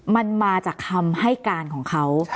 มันมาจากคำให้การของเขา